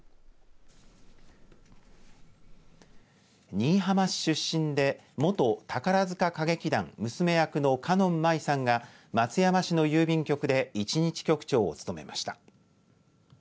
新居浜市出身で元宝塚歌劇団娘役の花音舞さんが松山市の郵便局で一日局長を務めました。